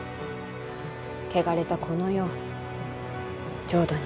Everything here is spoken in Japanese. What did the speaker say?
汚れたこの世を浄土に。